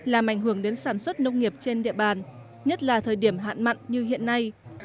làm ảnh hưởng đến sản xuất nông nghiệp trên địa bàn nhất là thời điểm hạn mặn như hiện nay